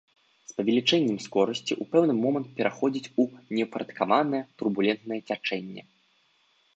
З павелічэннем скорасці ў пэўны момант пераходзіць у неўпарадкаванае турбулентнае цячэнне.